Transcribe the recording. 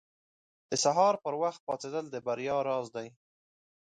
• د سهار پر وخت پاڅېدل د بریا راز دی.